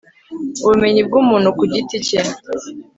ubumenyi bw umuntu ku giti cye